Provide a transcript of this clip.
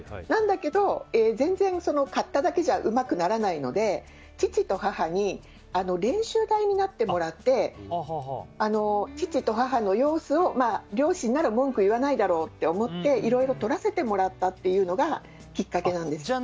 なんだけど、全然買っただけじゃうまくならないので父と母に練習台になってもらって父と母の様子を、両親なら文句言わないだろうと思っていろいろ撮らせてもらったというのがきっかけなんです。